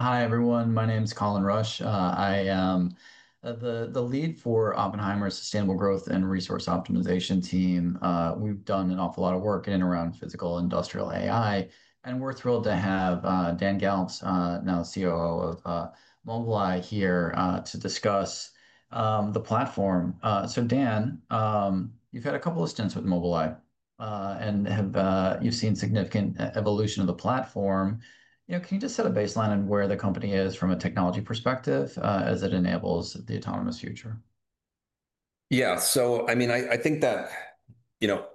Hi everyone, my name is Colin Rusch. I am the lead for Oppenheimer's Sustainable Growth and Resource Optimization team. We've done an awful lot of work in and around physical and industrial AI, and we're thrilled to have Dan Galves, now COO of Mobileye Global Inc., here to discuss the platform. Dan, you've had a couple of stints with Mobileye and have seen significant evolution of the platform. Can you just set a baseline on where the company is from a technology perspective as it enables the autonomous future? Yeah, so I mean, I think that, you know,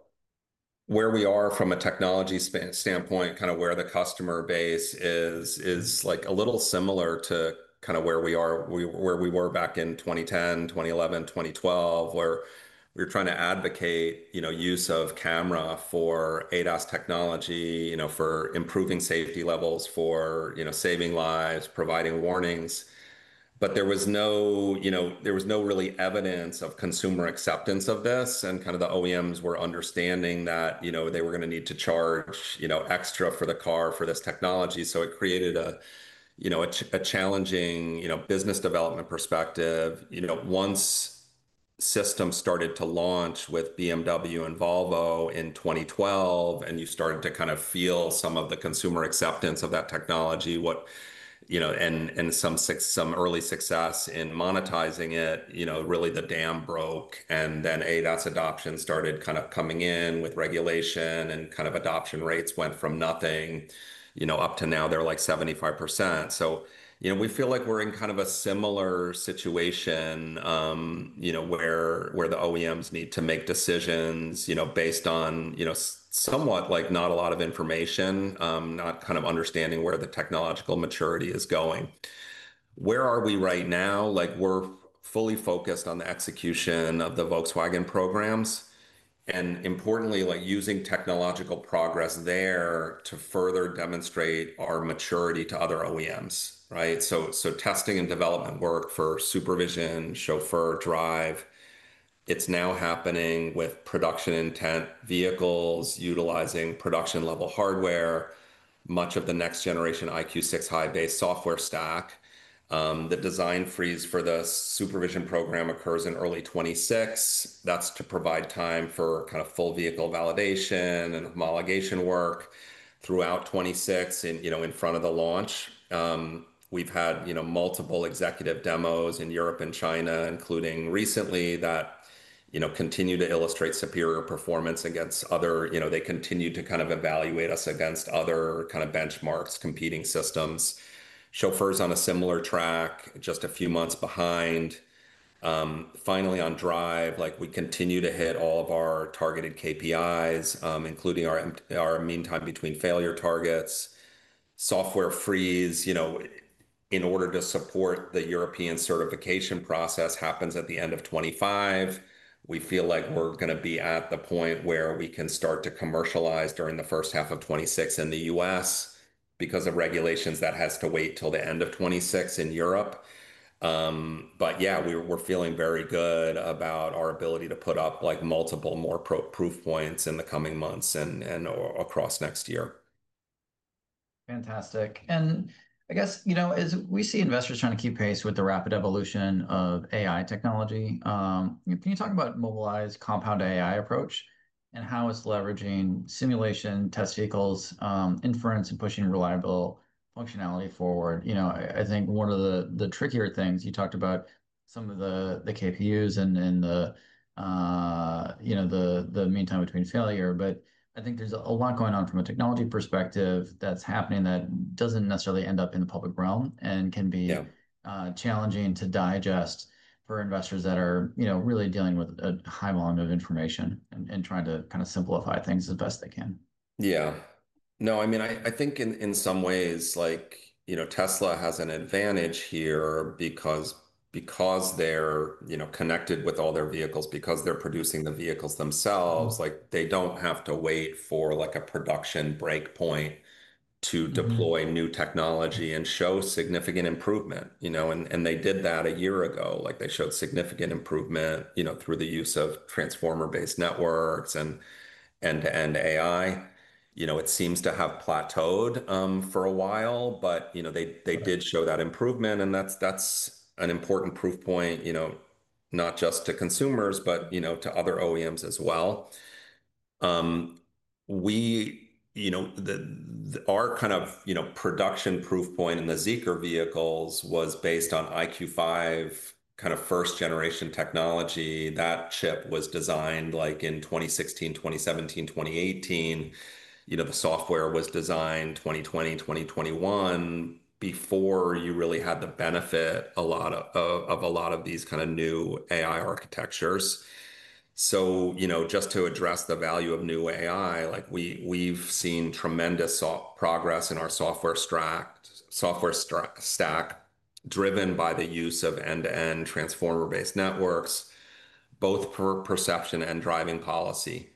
where we are from a technology standpoint, kind of where the customer base is, is like a little similar to kind of where we are, where we were back in 2010, 2011, 2012, where we were trying to advocate, you know, use of camera for ADAS technology, you know, for improving safety levels, for, you know, saving lives, providing warnings. There was no, you know, there was no really evidence of consumer acceptance of this, and kind of the OEMs were understanding that, you know, they were going to need to charge, you know, extra for the car for this technology. It created a, you know, a challenging, you know, business development perspective. Once systems started to launch with BMW and Volvo in 2012, and you started to kind of feel some of the consumer acceptance of that technology, what, you know, and some early success in monetizing it, you know, really the dam broke, and then ADAS adoption started kind of coming in with regulation, and kind of adoption rates went from nothing, you know, up to now they're like 75%. We feel like we're in kind of a similar situation, you know, where the OEMs need to make decisions, you know, based on, you know, somewhat like not a lot of information, not kind of understanding where the technological maturity is going. Where are we right now? Like we're fully focused on the execution of the Volkswagen programs and importantly, like using technological progress there to further demonstrate our maturity to other OEMs, right? Testing and development work for SuperVision, Chauffeur, Drive, it's now happening with production intent vehicles utilizing production-level hardware, much of the next generation EyeQ6 high-based software stack. The design freeze for the SuperVision program occurs in early 2026. That's to provide time for kind of full vehicle validation and homologation work throughout 2026. In front of the launch, we've had, you know, multiple executive demos in Europe and China, including recently that, you know, continue to illustrate superior performance against other, you know, they continue to kind of evaluate us against other kind of benchmarks, competing systems. Chauffeur's on a similar track, just a few months behind. Finally, on Drive, like we continue to hit all of our targeted KPIs, including our mean time between failure targets. Software freeze, you know, in order to support the European certification process, happens at the end of 2025. We feel like we're going to be at the point where we can start to commercialize during the first half of 2026 in the U.S. because of regulations that have to wait till the end of 2026 in Europe. Yeah, we're feeling very good about our ability to put up like multiple more proof points in the coming months and across next year. Fantastic. I guess, as we see investors trying to keep pace with the rapid evolution of AI technology, can you talk about Mobileye's compound AI approach and how it's leveraging simulation test vehicles, inference, and pushing reliable functionality forward? I think one of the trickier things, you talked about some of the KPUs and the mean time between failure, but I think there's a lot going on from a technology perspective that's happening that doesn't necessarily end up in the public realm and can be challenging to digest for investors that are really dealing with a high volume of information and trying to kind of simplify things as best they can. Yeah, no, I mean, I think in some ways, like, you know, Tesla has an advantage here because they're, you know, connected with all their vehicles, because they're producing the vehicles themselves, like they don't have to wait for like a production breakpoint to deploy new technology and show significant improvement, you know, and they did that a year ago, like they showed significant improvement, you know, through the use of transformer-based networks and end-to-end AI. It seems to have plateaued for a while, but they did show that improvement, and that's an important proof point, not just to consumers, but to other OEMs as well. Our kind of production proof point in the Zeekr vehicles was based on EyeQ5 kind of first generation technology. That chip was designed in 2016, 2017, 2018. The software was designed 2020, 2021 before you really had the benefit of a lot of these kind of new AI architectures. Just to address the value of new AI, we've seen tremendous progress in our software stack, driven by the use of end-to-end transformer-based networks, both perception and driving policy.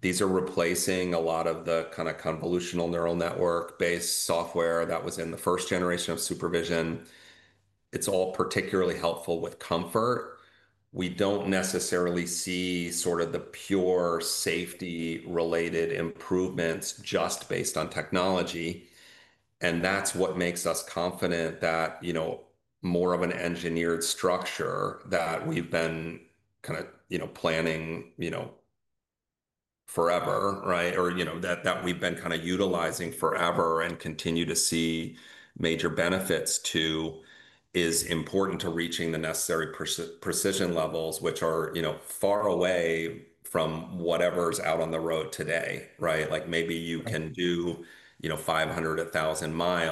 These are replacing a lot of the kind of convolutional neural network-based software that was in the first generation of SuperVision. It's all particularly helpful with comfort. We don't necessarily see sort of the pure safety-related improvements just based on technology. That's what makes us confident that more of an engineered structure that we've been kind of planning forever, or that we've been kind of utilizing forever and continue to see major benefits to, is important to reaching the necessary precision levels, which are far away from whatever's out on the road today, right? Like maybe you can do 500,000 mi,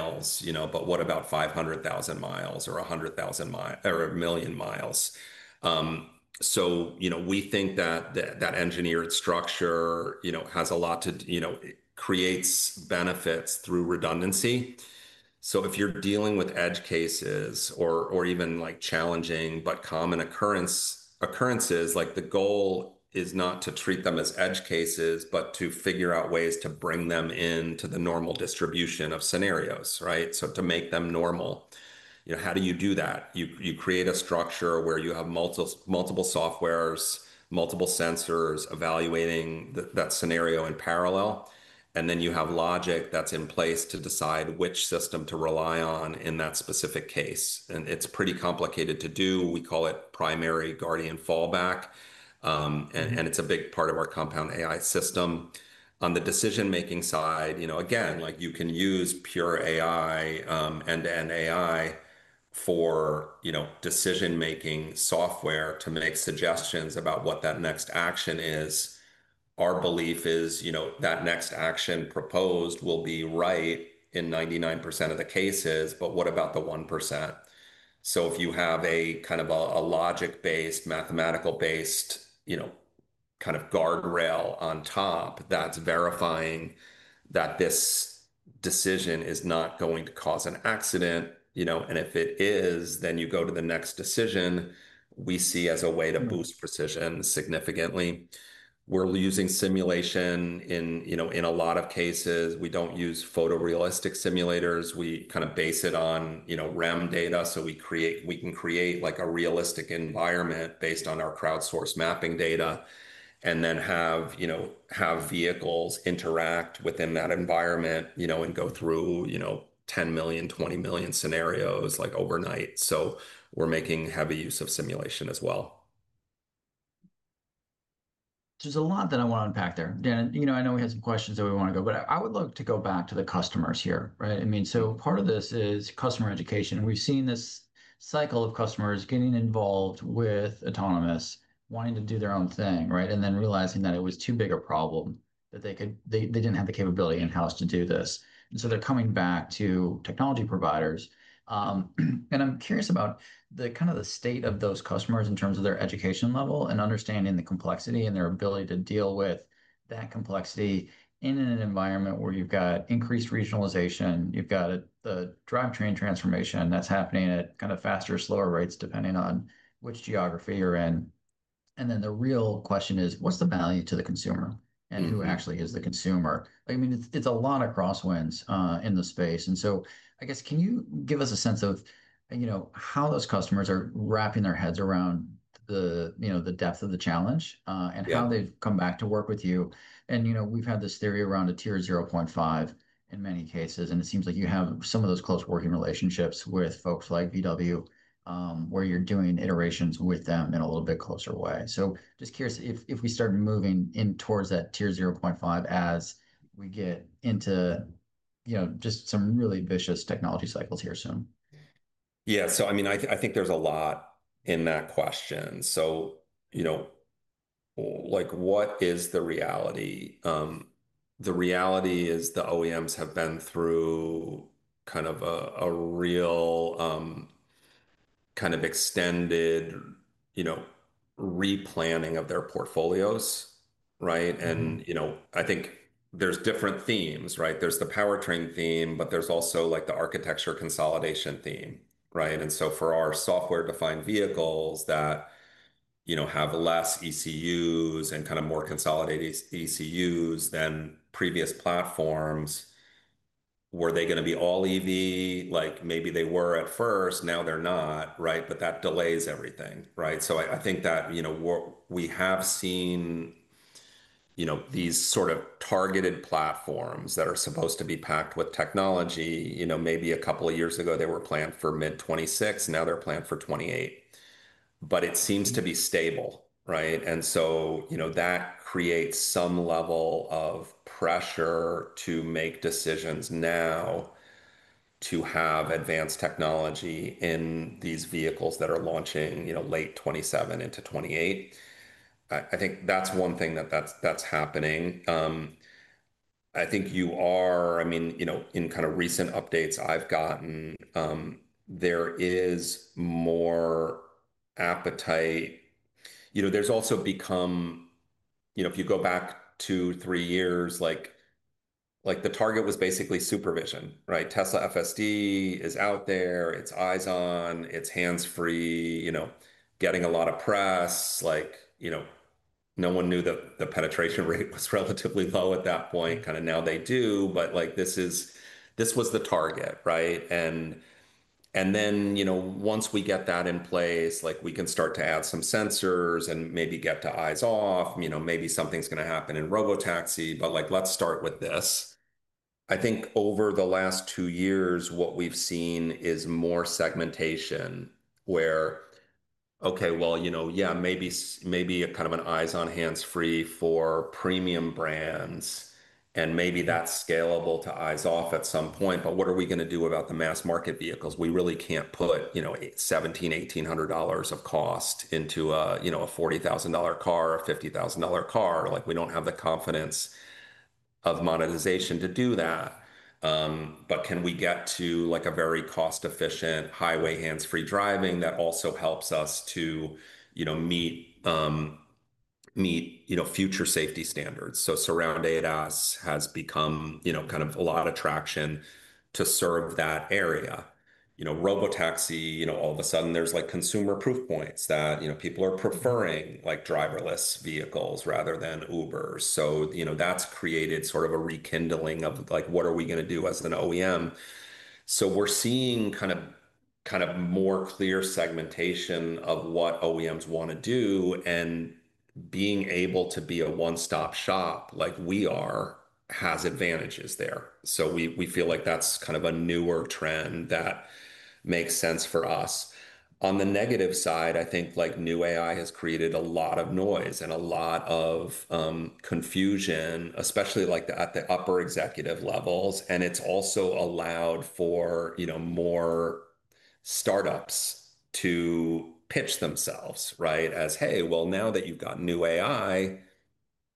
but what about 500,000 mi or 100,000 mi or 1 million mi? We think that that engineered structure has a lot to create benefits through redundancy. If you're dealing with edge cases or even like challenging but common occurrences, the goal is not to treat them as edge cases, but to figure out ways to bring them into the normal distribution of scenarios, right? To make them normal, how do you do that? You create a structure where you have multiple softwares, multiple sensors evaluating that scenario in parallel. You have logic that's in place to decide which system to rely on in that specific case. It's pretty complicated to do. We call it primary guardian fallback, and it's a big part of our compound AI system. On the decision-making side, you can use pure AI, end-to-end AI for decision-making software to make suggestions about what that next action is. Our belief is that next action proposed will be right in 99% of the cases, but what about the 1%? If you have a kind of logic-based, mathematical-based guardrail on top that's verifying that this decision is not going to cause an accident, and if it is, then you go to the next decision, we see as a way to boost precision significantly. We're using simulation in a lot of cases. We don't use photorealistic simulators. We base it on REM data. We can create a realistic environment based on our crowdsourced mapping data and then have vehicles interact within that environment and go through 10 million, 20 million scenarios overnight. We're making heavy use of simulation as well. There's a lot that I want to unpack there. Dan, you know, I know we had some questions that we want to go, but I would love to go back to the customers here, right? I mean, part of this is customer education. We've seen this cycle of customers getting involved with autonomous, wanting to do their own thing, right? Then realizing that it was too big a problem, that they could, they didn't have the capability in-house to do this. They're coming back to technology providers. I'm curious about the state of those customers in terms of their education level and understanding the complexity and their ability to deal with that complexity in an environment where you've got increased regionalization, you've got the drive train transformation that's happening at kind of faster or slower rates depending on which geography you're in. The real question is, what's the value to the consumer and who actually is the consumer? I mean, it's a lot of crosswinds in the space. I guess, can you give us a sense of how those customers are wrapping their heads around the depth of the challenge and how they've come back to work with you? We've had this theory around a tier 0.5 in many cases, and it seems like you have some of those close working relationships with folks like Volkswagen, where you're doing iterations with them in a little bit closer way. Just curious if we start moving in towards that tier 0.5 as we get into just some really vicious technology cycles here soon. Yeah, so I mean, I think there's a lot in that question. I think there's different themes, right? There's the powertrain theme, but there's also the architecture consolidation theme, right? For our software-defined vehicles that have less ECUs and more consolidated ECUs than previous platforms, were they going to be all EV? Maybe they were at first, now they're not, right? That delays everything, right? I think that we have seen these sort of targeted platforms that are supposed to be packed with technology. Maybe a couple of years ago they were planned for mid 2026, now they're planned for 2028. It seems to be stable, right? That creates some level of pressure to make decisions now to have advanced technology in these vehicles that are launching late 2027 into 2028. I think that's one thing that's happening. In kind of recent updates I've gotten, there is more appetite. If you go back two, three years, the target was basically SuperVision, right? Tesla FSD is out there, it's eyes on, it's hands-free, getting a lot of press. No one knew that the penetration rate was relatively low at that point, kind of now they do, but this was the target, right? Once we get that in place, we can start to add some sensors and maybe get to eyes off. Maybe something's going to happen in Mobileye Robotaxi, but let's start with this. I think over the last two years, what we've seen is more segmentation where, okay, maybe a kind of an eyes on hands-free for premium brands, and maybe that's scalable to eyes off at some point, but what are we going to do about the mass market vehicles? We really can't put $1,700, $1,800 of cost into a $40,000 car or a $50,000 car, we don't have the confidence of monetization to do that. Can we get to a very cost-efficient highway hands-free driving that also helps us to meet future safety standards? Surround ADAS has become kind of a lot of traction to serve that area. Robotaxi, all of a sudden there's like consumer proof points that people are preferring driverless vehicles rather than Ubers. That's created sort of a rekindling of what are we going to do as an OEM. We're seeing more clear segmentation of what OEMs want to do and being able to be a one-stop shop like we are has advantages there. We feel like that's kind of a newer trend that makes sense for us. On the negative side, I think new AI has created a lot of noise and a lot of confusion, especially at the upper executive levels, and it's also allowed for more startups to pitch themselves, right? As, hey, now that you've got new AI,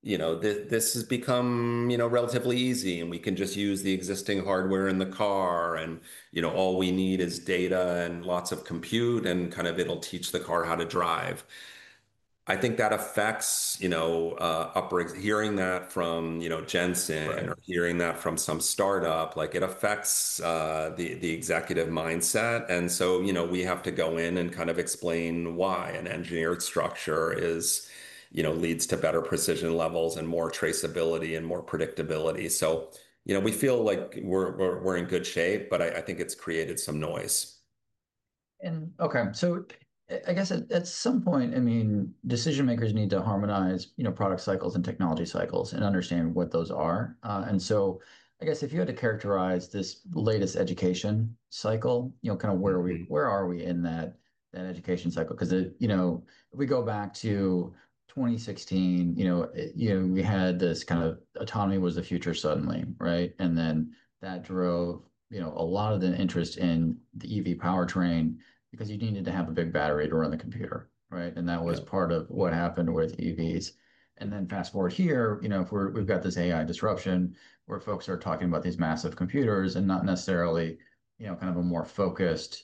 this has become relatively easy and we can just use the existing hardware in the car and all we need is data and lots of compute and it'll teach the car how to drive. I think that affects, hearing that from Jensen or hearing that from some startup, it affects the executive mindset. We have to go in and explain why an engineered structure leads to better precision levels and more traceability and more predictability. We feel like we're in good shape, but I think it's created some noise. Okay, at some point, decision makers need to harmonize product cycles and technology cycles and understand what those are. If you had to characterize this latest education cycle, where are we in that education cycle? We go back to 2016, we had this kind of autonomy was the future suddenly, right? That drove a lot of the interest in the EV powertrain because you needed to have a big battery to run the computer, right? That was part of what happened with EVs. Fast forward here, if we've got this AI disruption where folks are talking about these massive computers and not necessarily a more focused,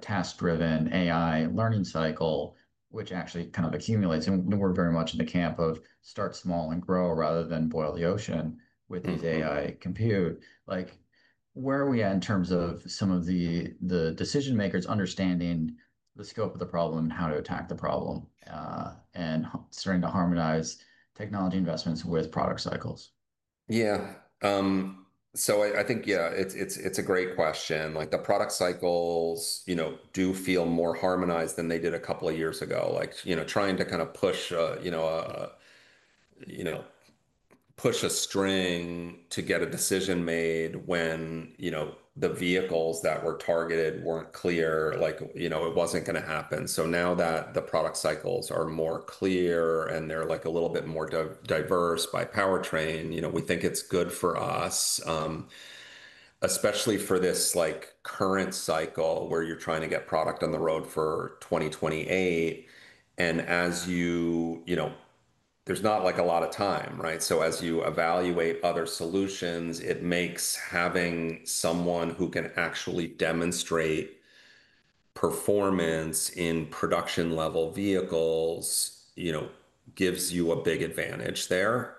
task-driven AI learning cycle, which actually kind of accumulates. We're very much in the camp of start small and grow rather than boil the ocean with these AI compute. Where are we at in terms of some of the decision makers understanding the scope of the problem and how to attack the problem and starting to harmonize technology investments with product cycles? Yeah, I think it's a great question. The product cycles do feel more harmonized than they did a couple of years ago. Trying to kind of push a string to get a decision made when the vehicles that were targeted weren't clear, it wasn't going to happen. Now that the product cycles are more clear and they're a little bit more diverse by powertrain, we think it's good for us, especially for this current cycle where you're trying to get product on the road for 2028. There's not a lot of time, right? As you evaluate other solutions, it makes having someone who can actually demonstrate performance in production-level vehicles gives you a big advantage there.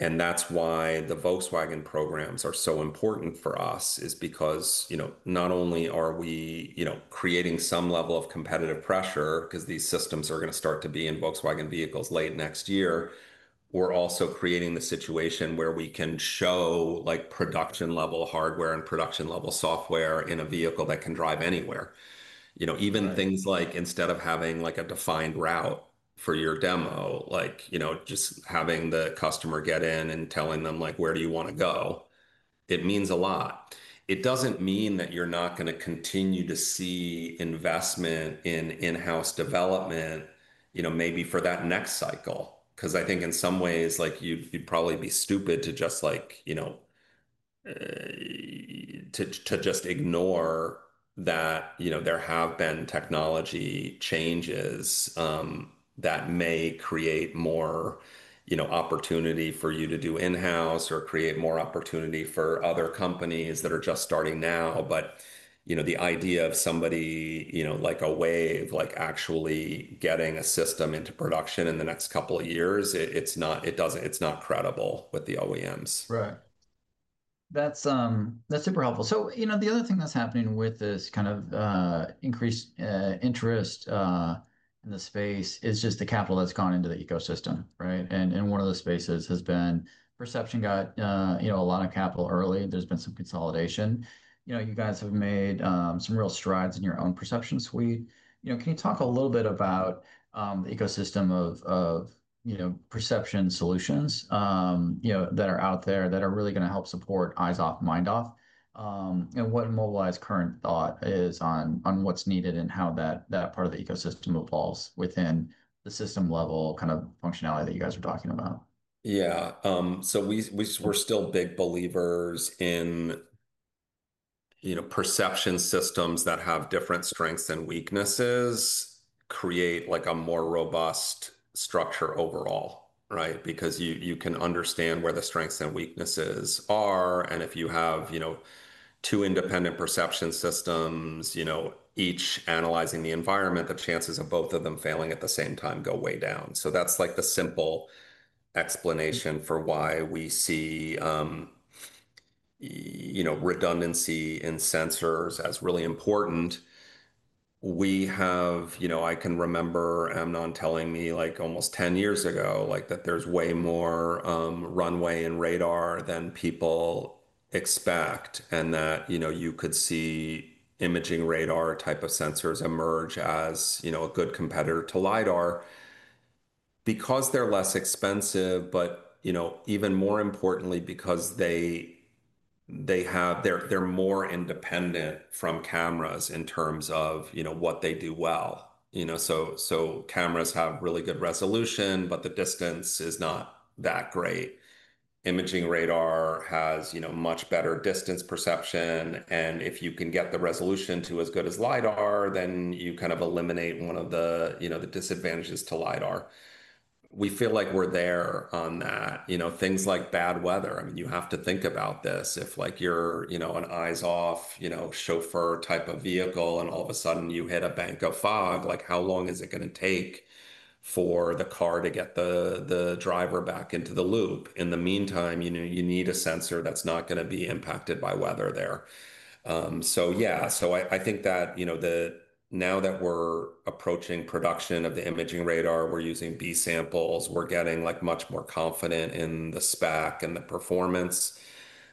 That's why the Volkswagen programs are so important for us, because not only are we creating some level of competitive pressure because these systems are going to start to be in Volkswagen vehicles late next year, we're also creating the situation where we can show production-level hardware and production-level software in a vehicle that can drive anywhere. Even things like instead of having a defined route for your demo, just having the customer get in and telling them, where do you want to go, it means a lot. It doesn't mean that you're not going to continue to see investment in in-house development, maybe for that next cycle, because I think in some ways you'd probably be stupid to just ignore that there have been technology changes that may create more opportunity for you to do in-house or create more opportunity for other companies that are just starting now. The idea of somebody, like a wave, actually getting a system into production in the next couple of years, it's not credible with the OEMs. Right. That's super helpful. The other thing that's happening with this kind of increased interest in the space is just the capital that's gone into the ecosystem, right? One of the spaces has been Perception got, you know, a lot of capital early. There's been some consolidation. You guys have made some real strides in your own Perception suite. Can you talk a little bit about the ecosystem of, you know, Perception solutions that are out there that are really going to help support eyes off, mind off, and what Mobileye's current thought is on what's needed and how that part of the ecosystem evolves within the system level kind of functionality that you guys are talking about? Yeah, so we're still big believers in, you know, perception systems that have different strengths and weaknesses create like a more robust structure overall, right? Because you can understand where the strengths and weaknesses are. If you have, you know, two independent perception systems, you know, each analyzing the environment, the chances of both of them failing at the same time go way down. That's like the simple explanation for why we see, you know, redundancy in sensors as really important. We have, you know, I can remember Amnon telling me like almost 10 years ago, like that there's way more runway in radar than people expect and that, you know, you could see imaging radar type of sensors emerge as, you know, a good competitor to LIDAR because they're less expensive. Even more importantly, because they're more independent from cameras in terms of, you know, what they do well. You know, so cameras have really good resolution, but the distance is not that great. Imaging radar has, you know, much better distance perception. If you can get the resolution to as good as LIDAR, then you kind of eliminate one of the, you know, the disadvantages to LIDAR. We feel like we're there on that. Things like bad weather, I mean, you have to think about this. If like you're, you know, an eyes-off, you know, Chauffeur type of vehicle and all of a sudden you hit a bank of fog, like how long is it going to take for the car to get the driver back into the loop? In the meantime, you know, you need a sensor that's not going to be impacted by weather there. Yeah, so I think that, you know, now that we're approaching production of the imaging radar, we're using B samples, we're getting like much more confident in the spec and the performance.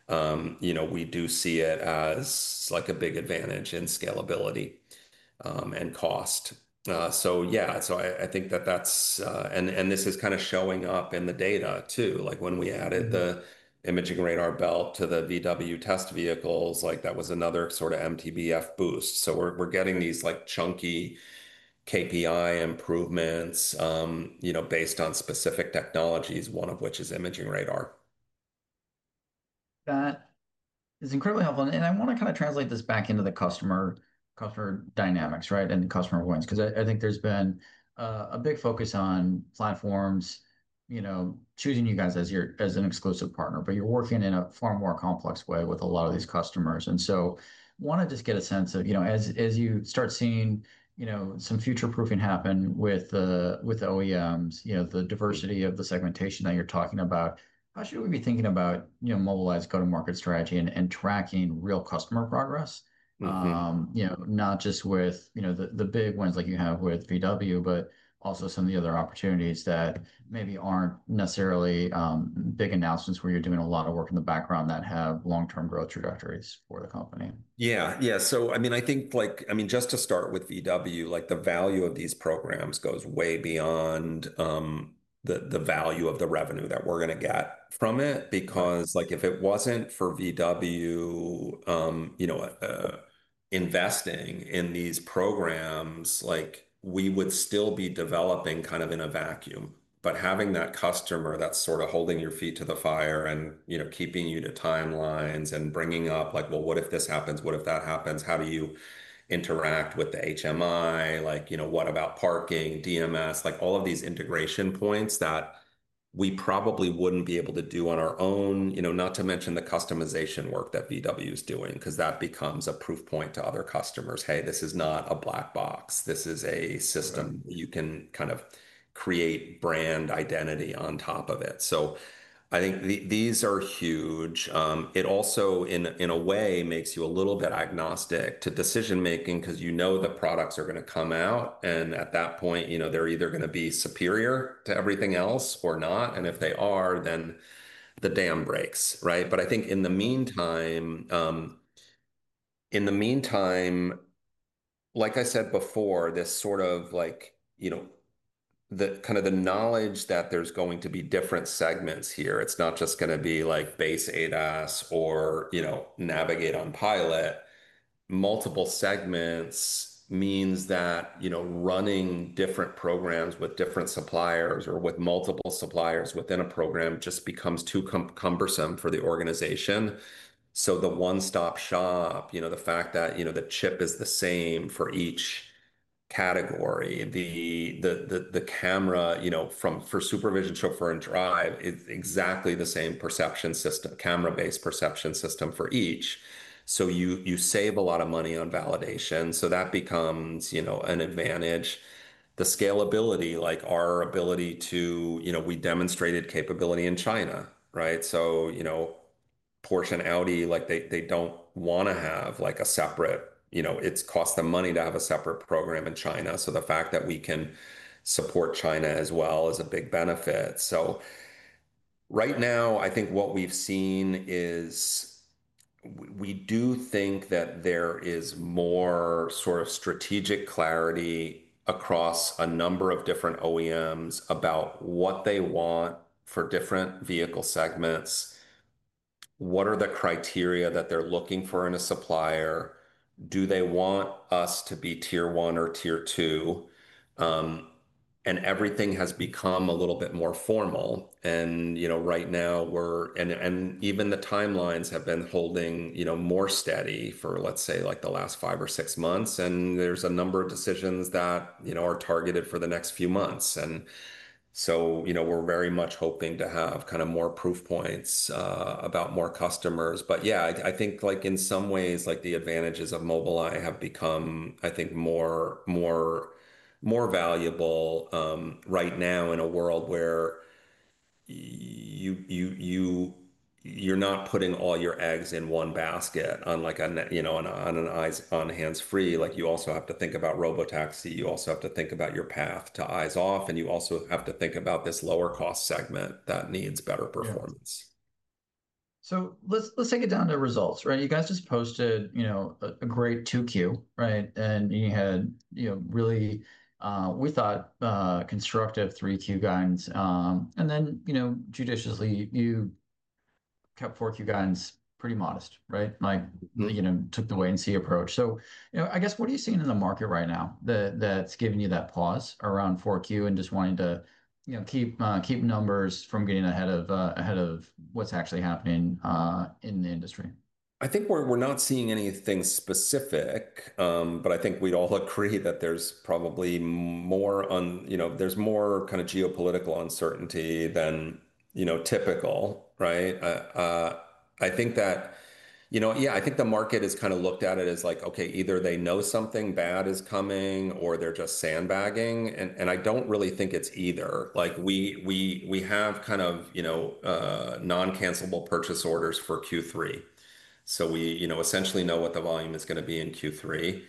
We do see it as like a big advantage in scalability and cost. I think that that's, and this is kind of showing up in the data too, like when we added the imaging radar belt to the Volkswagen test vehicles, like that was another sort of MTBF boost. We're getting these like chunky KPI improvements, you know, based on specific technologies, one of which is imaging radar. That is incredibly helpful. I want to kind of translate this back into the customer dynamics, right? Customer voice, because I think there's been a big focus on platforms, you know, choosing you guys as an exclusive partner, but you're working in a far more complex way with a lot of these customers. I want to just get a sense of, you know, as you start seeing some future proofing happen with the OEMs, the diversity of the segmentation that you're talking about, how should we be thinking about, you know, Mobileye's go-to-market strategy and tracking real customer progress? Not just with, you know, the big ones like you have with Volkswagen, but also some of the other opportunities that maybe aren't necessarily big announcements where you're doing a lot of work in the background that have long-term growth trajectories for the company. Yeah, I think just to start with Volkswagen, the value of these programs goes way beyond the value of the revenue that we're going to get from it, because if it wasn't for Volkswagen investing in these programs, we would still be developing kind of in a vacuum. Having that customer that's holding your feet to the fire and keeping you to timelines and bringing up, like, well, what if this happens? What if that happens? How do you interact with the HMI? What about parking, DMS? All of these integration points that we probably wouldn't be able to do on our own, not to mention the customization work that Volkswagen is doing, because that becomes a proof point to other customers. Hey, this is not a black box. This is a system you can create brand identity on top of it. I think these are huge. It also, in a way, makes you a little bit agnostic to decision making because you know the products are going to come out and at that point, they're either going to be superior to everything else or not. If they are, then the dam breaks, right? In the meantime, like I said before, this sort of knowledge that there's going to be different segments here. It's not just going to be base ADAS or navigate on pilot. Multiple segments means that running different programs with different suppliers or with multiple suppliers within a program just becomes too cumbersome for the organization. The one-stop shop, the fact that the chip is the same for each category, the camera for SuperVision, Chauffeur, and Drive, it's exactly the same perception system, camera-based perception system for each. You save a lot of money on validation. That becomes an advantage. The scalability, our ability to, we demonstrated capability in China, right? Porsche and Audi, they don't want to have a separate, it costs them money to have a separate program in China. The fact that we can support China as well is a big benefit. Right now, I think what we've seen is we do think that there is more strategic clarity across a number of different OEMs about what they want for different vehicle segments. What are the criteria that they're looking for in a supplier? Do they want us to be tier one or tier two? Everything has become a little bit more formal. Right now, we're, and even the timelines have been holding more steady for, let's say, the last five or six months. There are a number of decisions that are targeted for the next few months. We're very much hoping to have more proof points about more customers. I think in some ways, the advantages of Mobileye have become more valuable right now in a world where you're not putting all your eggs in one basket on an eyes-on hands-free. You also have to think about Mobileye Robotaxi. You also have to think about your path to eyes off. You also have to think about this lower cost segment that needs better performance. Let's take it down to results, right? You guys just posted a great 2Q, right? You had, really, we thought, constructive 3Q guidance. You judiciously kept 4Q guidance pretty modest, right? Like, you took the wait-and-see approach. I guess, what are you seeing in the market right now that's giving you that pause around 4Q and just wanting to keep numbers from getting ahead of what's actually happening in the industry? I think we're not seeing anything specific, but I think we'd all agree that there's probably more on, you know, there's more kind of geopolitical uncertainty than, you know, typical, right? I think that, you know, yeah, I think the market has kind of looked at it as like, okay, either they know something bad is coming or they're just sandbagging. I don't really think it's either. We have kind of, you know, non-cancelable purchase orders for Q3, so we, you know, essentially know what the volume is going to be in Q3.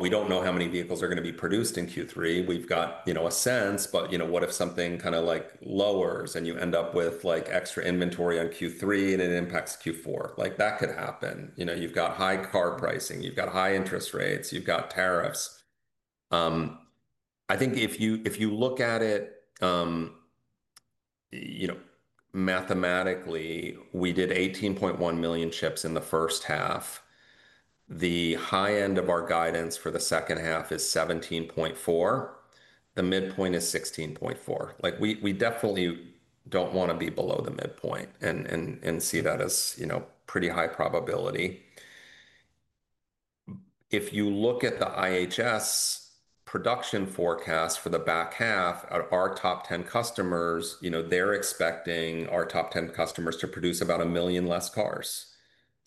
We don't know how many vehicles are going to be produced in Q3. We've got, you know, a sense, but you know, what if something kind of like lowers and you end up with like extra inventory on Q3 and it impacts Q4? That could happen. You've got high car pricing, you've got high interest rates, you've got tariffs. I think if you look at it, you know, mathematically, we did 18.1 million chips in the first half. The high end of our guidance for the second half is 17.4 million. The midpoint is 16.4 million. We definitely don't want to be below the midpoint and see that as, you know, pretty high probability. If you look at the IHS production forecast for the back half, our top 10 customers, you know, they're expecting our top 10 customers to produce about a million less cars.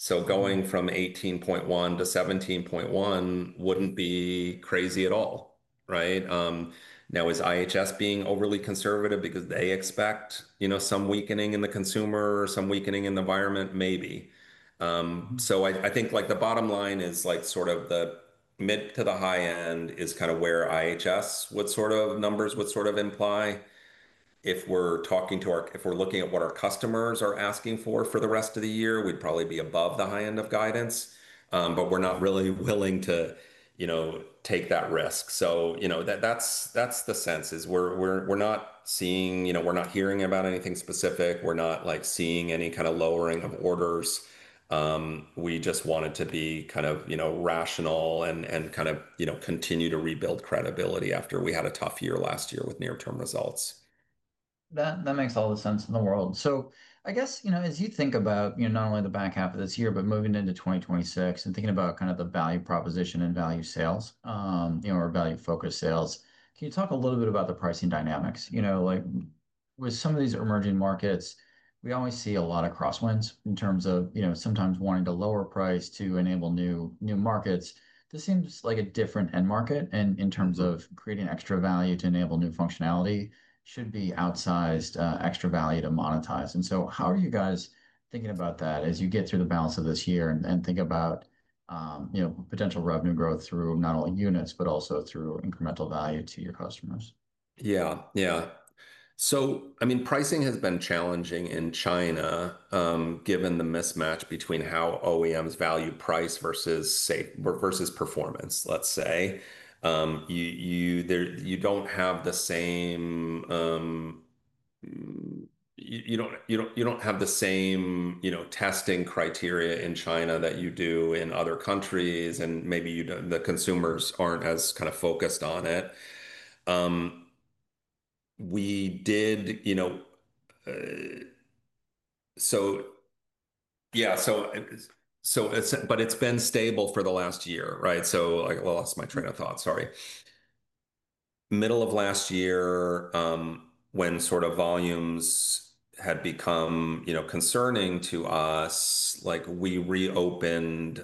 Going from 18.1 million to 17.1 million wouldn't be crazy at all, right? Now, is IHS being overly conservative because they expect, you know, some weakening in the consumer, some weakening in the environment? Maybe. I think like the bottom line is like sort of the mid to the high end is kind of where IHS numbers would sort of imply. If we're looking at what our customers are asking for for the rest of the year, we'd probably be above the high end of guidance. We're not really willing to, you know, take that risk. That's the sense is we're not seeing, you know, we're not hearing about anything specific. We're not like seeing any kind of lowering of orders. We just wanted to be kind of, you know, rational and kind of, you know, continue to rebuild credibility after we had a tough year last year with near-term results. That makes all the sense in the world. I guess, as you think about not only the back half of this year, but moving into 2026 and thinking about the value proposition and value sales, or value-focused sales, can you talk a little bit about the pricing dynamics? With some of these emerging markets, we always see a lot of crosswinds in terms of sometimes wanting to lower price to enable new markets. This seems like a different end market in terms of creating extra value to enable new functionality, which should be outsized extra value to monetize. How do you guys think about that as you get through the balance of this year and think about potential revenue growth through not only units, but also through incremental value to your customers? Yeah, yeah. Pricing has been challenging in China, given the mismatch between how OEMs value price versus performance, let's say. You don't have the same testing criteria in China that you do in other countries, and maybe the consumers aren't as kind of focused on it. We did, yeah, but it's been stable for the last year, right? Middle of last year, when sort of volumes had become concerning to us, we reopened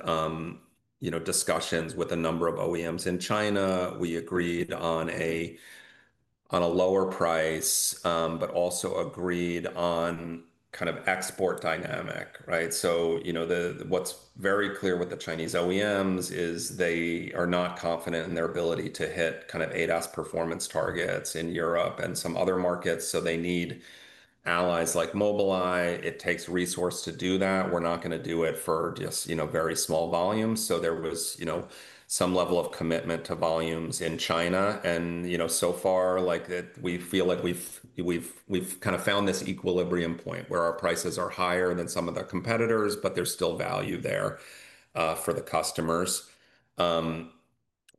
discussions with a number of OEMs in China. We agreed on a lower price, but also agreed on kind of export dynamic, right? What's very clear with the Chinese OEMs is they are not confident in their ability to hit kind of ADAS performance targets in Europe and some other markets. They need allies like Mobileye. It takes resource to do that. We're not going to do it for just very small volumes. There was some level of commitment to volumes in China. So far, we feel like we've kind of found this equilibrium point where our prices are higher than some of the competitors, but there's still value there for the customers.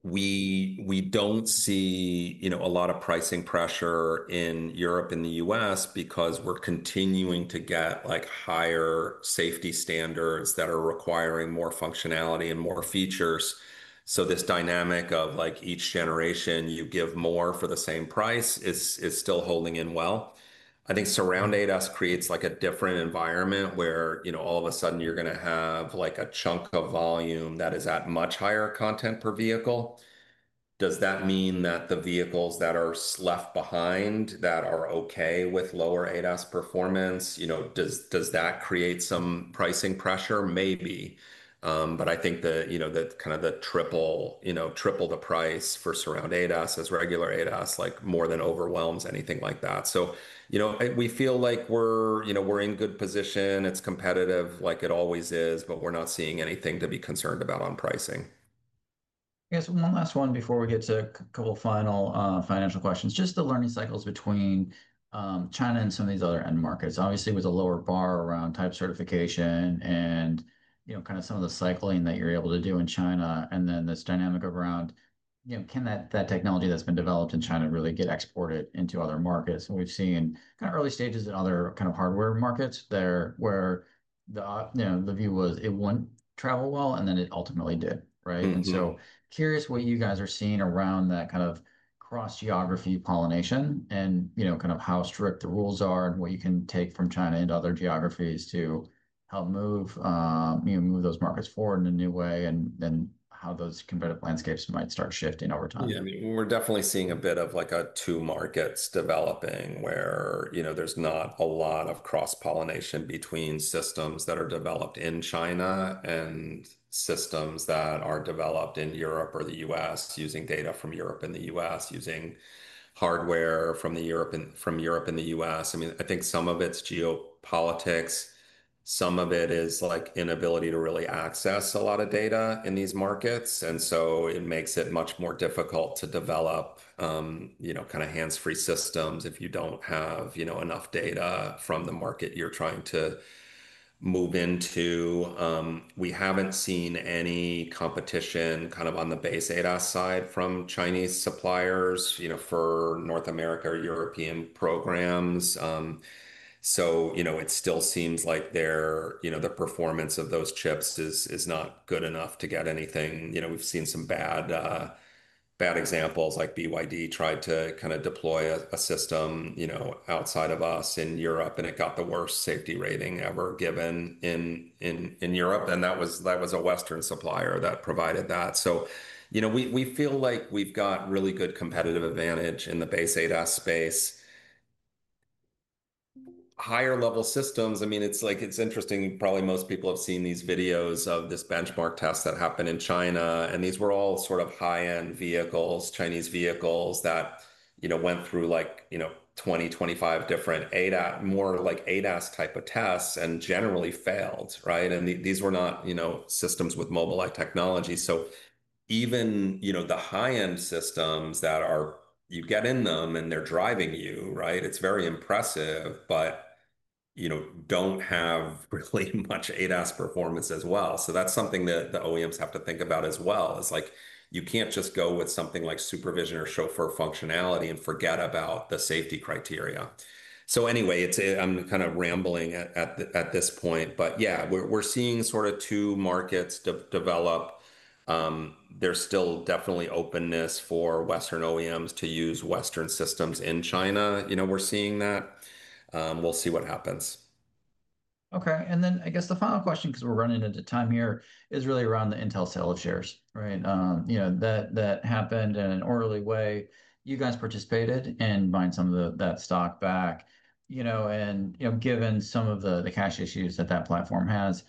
We don't see a lot of pricing pressure in Europe and the U.S. because we're continuing to get higher safety standards that are requiring more functionality and more features. This dynamic of each generation, you give more for the same price, is still holding in well. I think surround ADAS creates a different environment where all of a sudden you're going to have a chunk of volume that is at much higher content per vehicle. Does that mean that the vehicles that are left behind that are okay with lower ADAS performance, does that create some pricing pressure? Maybe. I think that kind of the triple, triple the price for surround ADAS as regular ADAS, more than overwhelms anything like that. We feel like we're in good position. It's competitive like it always is, but we're not seeing anything to be concerned about on pricing. Yes, one last one before we get to a couple of final financial questions, just the learning cycles between China and some of these other end markets. Obviously, with a lower bar around type certification and some of the cycling that you're able to do in China, and then this dynamic of around, can that technology that's been developed in China really get exported into other markets? We've seen early stages in other hardware markets there where the view was it wouldn't travel well, and then it ultimately did, right? Curious what you guys are seeing around that kind of cross-geography pollination and how strict the rules are and what you can take from China into other geographies to help move those markets forward in a new way and how those competitive landscapes might start shifting over time. Yeah, I mean, we're definitely seeing a bit of like a two markets developing where there's not a lot of cross-pollination between systems that are developed in China and systems that are developed in Europe or the U.S. using data from Europe and the U.S., using hardware from Europe and the U.S. I mean, I think some of it's geopolitics. Some of it is inability to really access a lot of data in these markets, and it makes it much more difficult to develop kind of hands-free systems if you don't have enough data from the market you're trying to move into. We haven't seen any competition on the base ADAS side from Chinese suppliers for North America or European programs. It still seems like the performance of those chips is not good enough to get anything. We've seen some bad examples, like BYD tried to deploy a system outside of us in Europe, and it got the worst safety rating ever given in Europe. That was a Western supplier that provided that. We feel like we've got really good competitive advantage in the base ADAS space. Higher level systems, I mean, it's interesting. Probably most people have seen these videos of this benchmark test that happened in China, and these were all high-end vehicles, Chinese vehicles that went through 20, 25 different ADAS, more like ADAS type of tests, and generally failed, right? These were not systems with Mobileye technology. Even the high-end systems that are, you get in them and they're driving you, right? It's very impressive, but don't have really much ADAS performance as well. That's something that the OEMs have to think about as well. You can't just go with something like SuperVision or Chauffeur functionality and forget about the safety criteria. I'm kind of rambling at this point, but yeah, we're seeing sort of two markets develop. There's still definitely openness for Western OEMs to use Western systems in China. We're seeing that. We'll see what happens. Okay. I guess the final question, because we're running into time here, is really around the Intel sales shares, right? You know, that happened in an orderly way. You guys participated in buying some of that stock back, and given some of the cash issues that that platform has,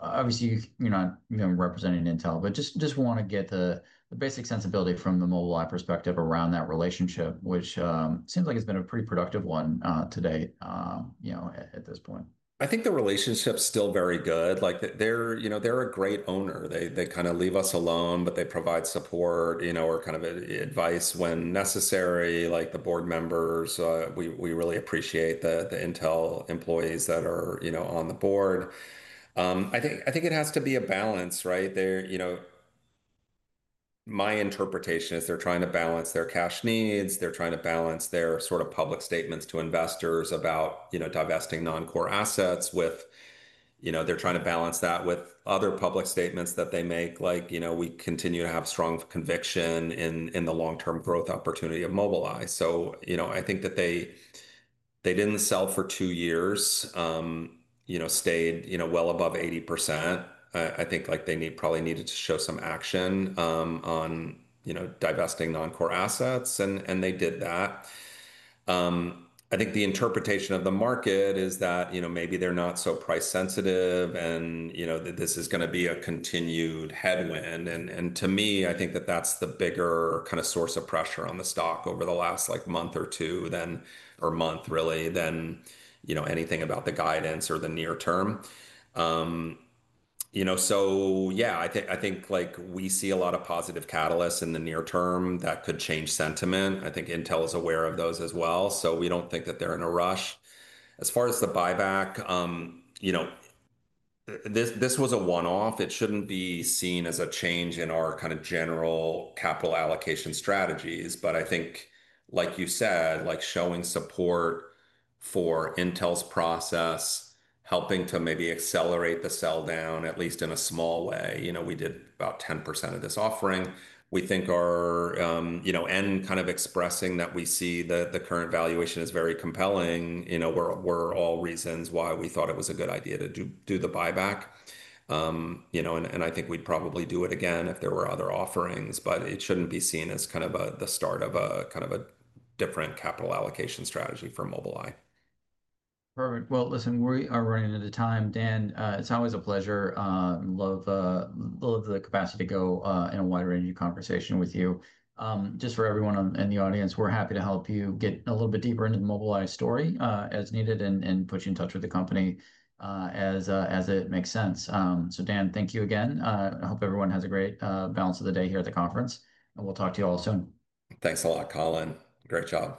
obviously, you're not representing Intel, but just want to get the basic sensibility from the Mobileye perspective around that relationship, which seems like it's been a pretty productive one today at this point. I think the relationship's still very good. They're a great owner. They kind of leave us alone, but they provide support or kind of advice when necessary, like the board members. We really appreciate the Intel employees that are on the board. I think it has to be a balance, right? My interpretation is they're trying to balance their cash needs. They're trying to balance their sort of public statements to investors about divesting non-core assets with trying to balance that with other public statements that they make, like we continue to have strong conviction in the long-term growth opportunity of Mobileye. I think that they didn't sell for two years, stayed well above 80%. I think they probably needed to show some action on divesting non-core assets, and they did that. I think the interpretation of the market is that maybe they're not so price sensitive and that this is going to be a continued headwind. To me, I think that that's the bigger kind of source of pressure on the stock over the last month or two, or month really, than anything about the guidance or the near term. I think we see a lot of positive catalysts in the near term that could change sentiment. I think Intel is aware of those as well. We don't think that they're in a rush. As far as the buyback, this was a one-off. It shouldn't be seen as a change in our kind of general capital allocation strategies, but I think, like you said, showing support for Intel's process, helping to maybe accelerate the sell down at least in a small way. We did about 10% of this offering. We think our end kind of expressing that we see the current valuation is very compelling. We're all reasons why we thought it was a good idea to do the buyback. I think we'd probably do it again if there were other offerings, but it shouldn't be seen as the start of a different capital allocation strategy for Mobileye. Perfect. Listen, we are running into time. Dan, it's always a pleasure. I love the capacity to go in a wider interview conversation with you. Just for everyone in the audience, we're happy to help you get a little bit deeper into the Mobileye story as needed and put you in touch with the company as it makes sense. Dan, thank you again. I hope everyone has a great balance of the day here at the conference. We'll talk to you all soon. Thanks a lot, Colin. Great job.